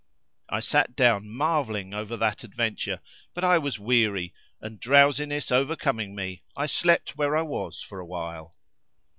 I sat down marvelling over that adventure, but I was weary and, drowsiness overcoming me, I slept where I was for a while.